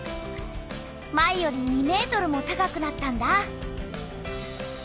前より２ｍも高くなったんだ。